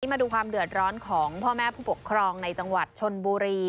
มาดูความเดือดร้อนของพ่อแม่ผู้ปกครองในจังหวัดชนบุรี